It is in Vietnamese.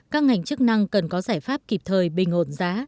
các ngành chức năng cần có giải pháp kịp thời bình ổn giá